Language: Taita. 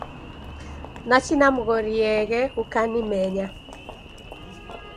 Nachi namghorieghe ukanimenya.